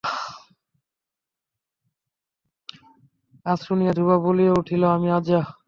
আজা শুনিয়া ধ্রুব বলিয়া উঠিল, আমি আজা।